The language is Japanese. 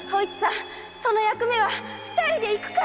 その役目二人で行くから